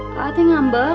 pak a ini ngambek